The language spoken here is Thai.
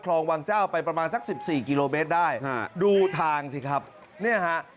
คลองวังเจ้าไปประมาณสักสิบสี่กิโลเมตรได้ฮะดูทางสิครับเนี่ยฮะ